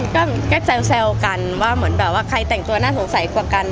ก็แจ้วกันว่าใครแต่งตัวหน้าสงสัยกว่ากัน